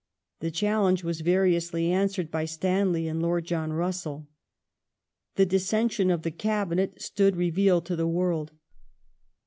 The challenge was variously answered by Stanley and Lord John Russell. The dissension of the Cabinet stood revealed to the world.